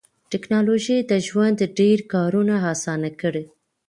ټکنالوژي د ژوند ډېر کارونه اسانه کړي